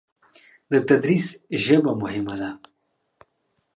د تدریس ژبه مهمه ده.